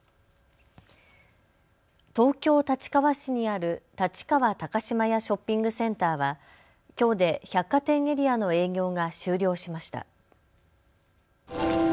東京立川市にある立川高島屋Ｓ．Ｃ．はきょうで百貨店エリアの営業が終了しました。